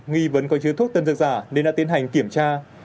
nghi vấn có chứa thuốc tân dược giả nên đã tiến hành kiểm tra